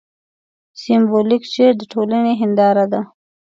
سېمبولیک شعر د ټولنې هینداره ده.